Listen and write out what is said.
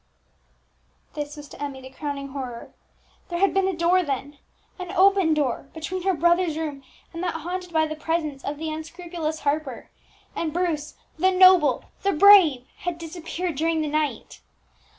This was to Emmie the crowning horror. There had been a door then an open door between her brother's room and that haunted by the presence of the unscrupulous Harper; and Bruce the noble, the brave had disappeared during the night!